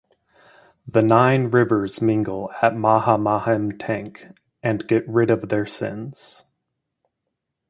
The nine rivers mingle at Mahamaham tank and get rid of their sins.